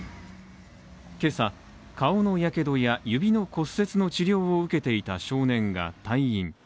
今朝、顔のやけどや指の骨折の治療を受けていた少年が退院。